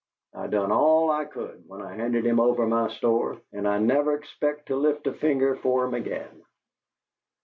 I done all I could when I handed him over my store, and I never expect to lift a finger for 'em again.